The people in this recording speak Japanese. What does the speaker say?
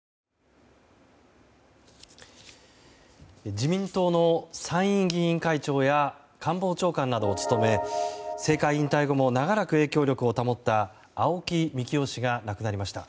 自民党の参院議員会長や官房長官などを務め政界引退後も長らく影響力を保った青木幹雄氏が亡くなりました。